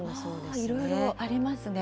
いろいろありますね。